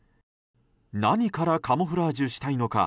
何からカムフラージュしたいのか。